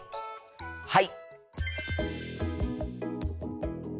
はい！